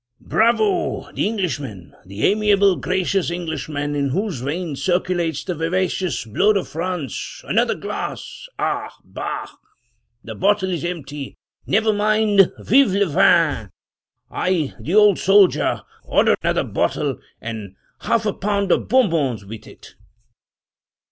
"Bravo! the Englishman; the amiable, gracious Englishman, in whose veins circulates the vivacious blood of France! Another glass? Ah, bah! — the bottle is empty! Never mind! Vive le vin! I, the old soldier, order another bottle, and half a pound of bonbons with it!"